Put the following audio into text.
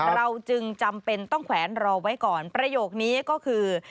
เราจึงจำเป็นต้องแขวนรอไว้ก่อนประโยคนี้ก็คือ